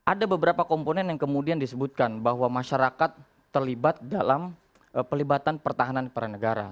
ada beberapa komponen yang kemudian disebutkan bahwa masyarakat terlibat dalam pelibatan pertahanan para negara